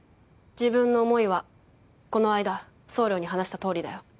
自分の思いはこの間総領に話したとおりだよ。